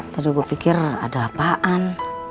terus gue pikir ada apaan